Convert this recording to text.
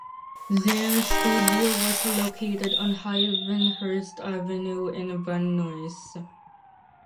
Their studio was located on Hayvenhurst Avenue in Van Nuys.